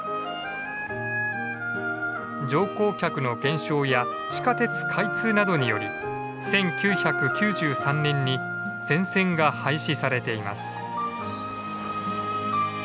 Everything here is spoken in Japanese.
乗降客の減少や地下鉄開通などにより１９９３年に全線が廃止されています。